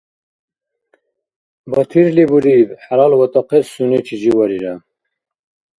- Батирли буриб. ХӀялалватахъес сунечи живарира